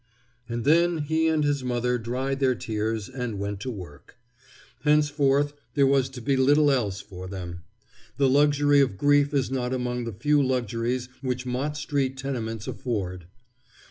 And then he and his mother dried their tears and went to work. Henceforth there was to be little else for them. The luxury of grief is not among the few luxuries which Mott street tenements afford.